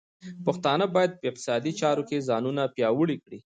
پښتانه بايد په اقتصادي چارو کې ځانونه پیاوړي کړي.